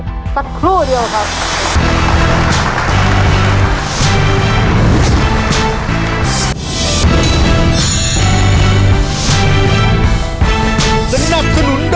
ได้หรือไม่สักครู่เดียวครับ